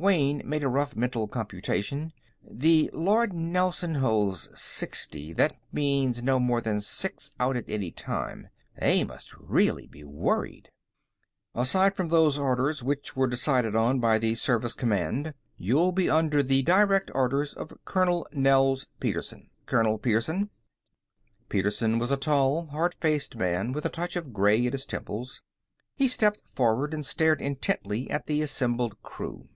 Wayne made a rough mental computation. The Lord Nelson holds sixty. That means no more than six out at any single time. They really must be worried. "Aside from those orders, which were decided on by the Service Command, you'll be under the direct orders of Colonel Nels Petersen. Colonel Petersen." Petersen was a tall, hard faced man with a touch of gray at his temples. He stepped forward and stared intently at the assembled crew.